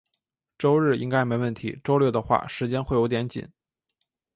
周日应该没问题，周六的话，时间会有点紧。